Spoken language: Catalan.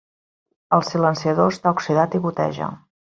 El silenciador està oxidat i goteja.